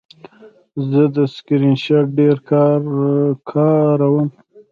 زه د سکرین شاټ ډېر کاروم.